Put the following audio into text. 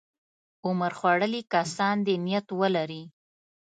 عمر خوړلي کسان دې نیت ولري.